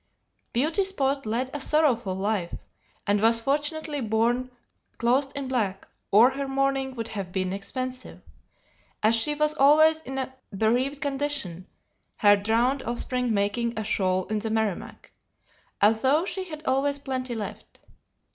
Beauty Spot led a sorrowful life, and was fortunately born clothed in black or her mourning would have been expensive, as she was always in a bereaved condition, her drowned offspring making a shoal in the Merrimac, although she had always plenty left.